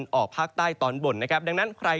ก็คือบริเวณอำเภอเมืองอุดรธานีนะครับ